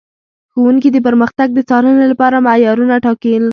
ښوونکي د پرمختګ د څارنې لپاره معیارونه ټاکل.